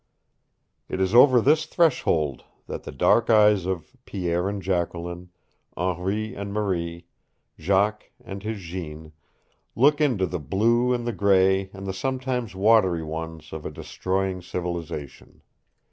It is over this threshold that the dark eyes of Pierre and Jacqueline, Henri and Marie, Jacques and his Jeanne, look into the blue and the gray and the sometimes watery ones of a destroying civilization.